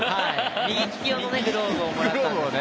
右利き用のグローブをもらったんですよ。